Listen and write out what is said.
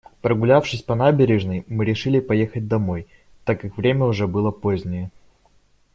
Прогулявшись по набережной, мы решили поехать домой, так как время уже было позднее.